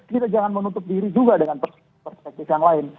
kita jangan menutup diri juga dengan perspektif yang lain